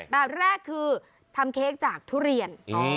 แบบแรกคือทำเค้กจากทุเรียน